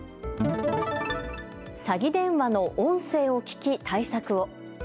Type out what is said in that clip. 詐欺電話の音声を聞き対策を。